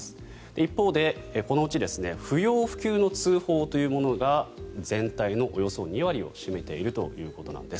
一方で、このうち不要不急の通報というものが全体のおよそ２割を占めているということです。